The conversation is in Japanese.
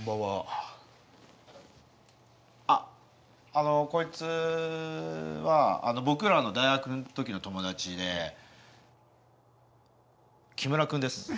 あっあのこいつは僕らの大学のときの友達で木村君です。